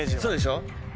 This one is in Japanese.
そうでしょ？